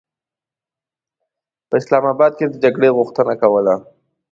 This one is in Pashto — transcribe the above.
په اسلام اباد کې د جګړې غوښتنه کوله.